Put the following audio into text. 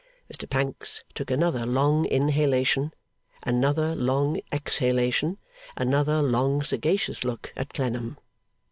Mr Pancks took another long inhalation, another long exhalation, another long sagacious look at Clennam.